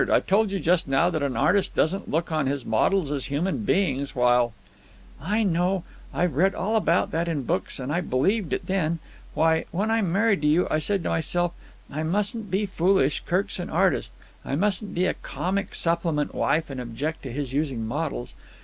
I told you just now that an artist doesn't look on his models as human beings while——" "I know. I've read all about that in books, and I believed it then. Why, when I married you, I said to myself: 'I mustn't be foolish. Kirk's an artist, I mustn't be a comic supplement wife and object to his using models!